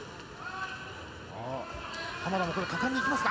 浜田がここで果敢にいきますか。